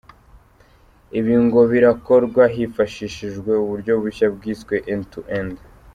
Ibi ngo birakorwa hifashishijwe uburyo bushya bwiswe end-to-end